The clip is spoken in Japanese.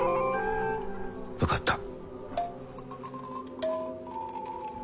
分かった。